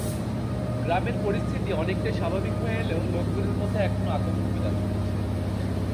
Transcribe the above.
গ্রামের পরিস্থিতি অনেকটাই স্বাভাবিক হয়ে এলেও লোকজনের মধ্যে এখনো আতঙ্ক বিরাজ করছে।